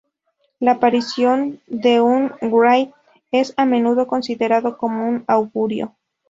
La aparición de un wraith es a menudo considerado como un augurio.